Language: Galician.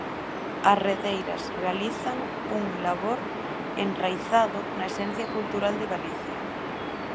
As redeiras realizan un labor enraizado na esencia cultural de Galicia.